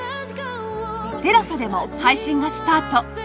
ＴＥＬＡＳＡ でも配信がスタート